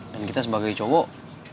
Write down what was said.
dan kita sebagai cowok